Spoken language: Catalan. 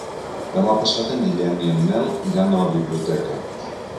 Demà passat en Guillem i en Nel iran a la biblioteca.